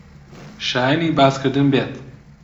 شایانی باسکردن بێت